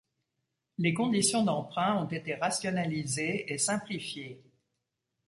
Les conditions d'emprunt ont été rationalisées et simplifiées.